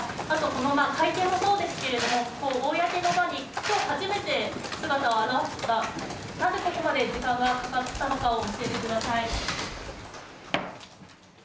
この会見の方ですけれど公の場に今日初めて姿を現した、なぜここまで時間がかかったのかを教えてください。